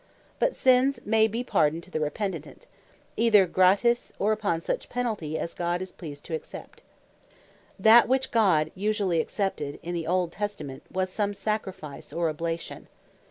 But sins may bee pardoned to the repentant, either Gratis, or upon such penalty, as God is pleased to accept. That which God usually accepted in the Old Testament, was some Sacrifice, or Oblation.